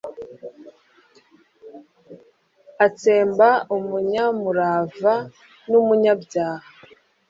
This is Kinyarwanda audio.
atsemba umunyamurava n'umunyabyaha